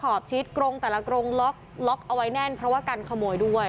บชิดกรงแต่ละกรงล็อกล็อกเอาไว้แน่นเพราะว่ากันขโมยด้วย